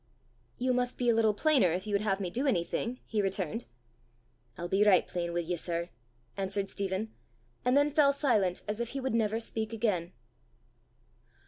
"You must be a little plainer if you would have me do anything," he returned. "I'll be richt plain wi' ye, sir," answered Stephen, and then fell silent as if he would never speak again.